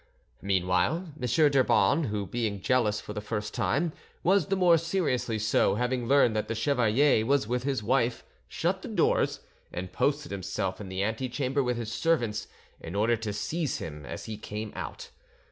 Meanwhile, M. d'Urban, who, being jealous for the first time, was the more seriously so, having learned that the chevalier was with his wife, shut the doors, and posted himself in the ante chamber with his servants, in order to seize him as he came out.